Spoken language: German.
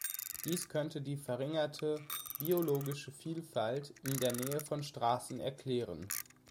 Dies könnte die verringerte biologische Vielfalt in der Nähe von Straßen erklären.